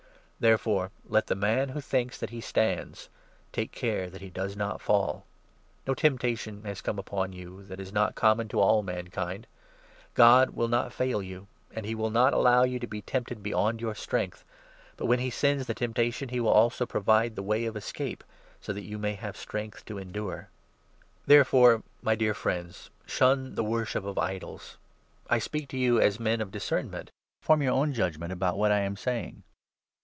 Therefore let the man who thinks that he stands take care 12 that he does not fall. No temptation has come upon you that is 13 not common to all mankind. God will not fail you, and he will not allow you to be tempted beyond your strength ; but, when he sends the temptation, he will also provide the way of escape, so that you may have strength to endure. Tho Apostio's Therefore, my dear friends, shun the worship 14 conclusions, of idols. I speak to you as men of discernment ; 15 form your own judgement about what I am saying.